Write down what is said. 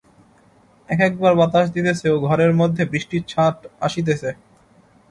এক একবার বাতাস দিতেছে ও ঘরের মধ্যে বৃষ্টির ছাঁট আসিতেছে।